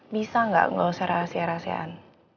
bisa ga ngeluset rahasia rahasiaan